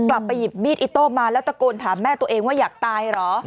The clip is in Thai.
กลับไปหยิบมีดอิโต้มาแล้วตะโกนถามแม่ตัวเองว่าอยากตายเหรอ